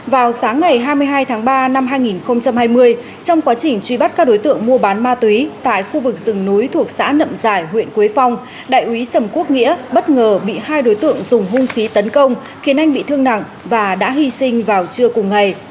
vào sáng ngày hai mươi hai tháng ba năm hai nghìn hai mươi trong quá trình truy bắt các đối tượng mua bán ma túy tại khu vực rừng núi thuộc xã nậm giải huyện quế phong đại úy sầm quốc nghĩa bất ngờ bị hai đối tượng dùng hung khí tấn công khiến anh bị thương nặng và đã hy sinh vào trưa cùng ngày